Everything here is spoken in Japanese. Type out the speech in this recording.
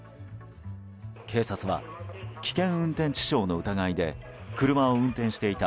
警察は、危険運転致傷の疑いで車を運転していた